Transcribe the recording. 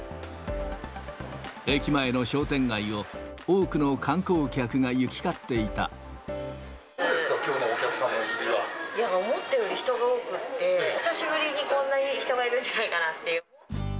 駅前の商店街を、多くの観光どうですか、きょうのお客さ思ったより人が多くって、久しぶりにこんなに人がいるんじゃないかなっていう。